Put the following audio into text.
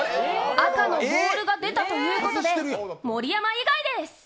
赤のボールが出たということで盛山以外です！